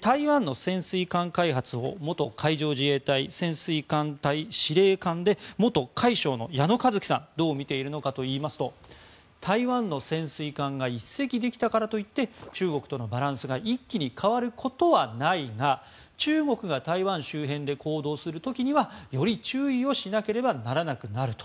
台湾の潜水艦開発を元海上自衛隊潜水艦隊司令官で元海将の矢野一樹さんどう見ているのかといいますと台湾の潜水艦が１隻できたからといって中国とのバランスが一気に変わることはないが中国が台湾周辺で行動する時にはより注意をしなければならなくなると。